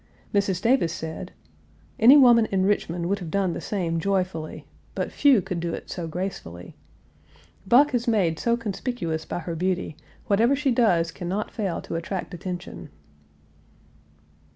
Mrs. Davis said: "Any woman in Richmond would have done the same joyfully, but few could do it so gracefully. Buck is made so conspicuous by her beauty, whatever she does can not fail to attract attention."